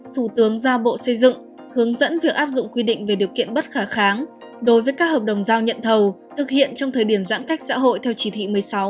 thủ tướng giao bộ xây dựng hướng dẫn việc áp dụng quy định về điều kiện bất khả kháng đối với các hợp đồng giao nhận thầu thực hiện trong thời điểm giãn cách xã hội theo chỉ thị một mươi sáu